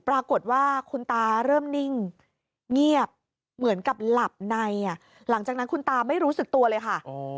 ปรากฏว่าคุณตาเริ่มนิ่งเงียบเหมือนกับหลับในหลังจากนั้นคุณตาไม่รู้สึกตัวเลยค่ะ